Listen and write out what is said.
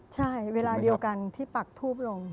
ใช่เวลาเดียวกันที่ปักทูบลง